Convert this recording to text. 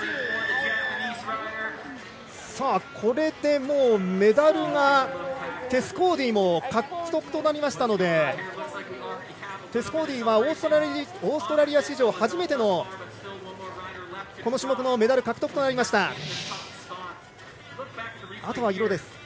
これでメダルがテス・コーディも獲得となりましたのでテス・コーディはオーストラリア史上初めてのこの種目のメダル獲得です。